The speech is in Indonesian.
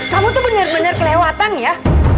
kamu tuh bener bener kelewatan ya